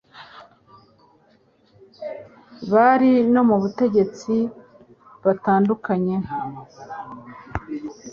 Bari no mu Butegetsi butandukanye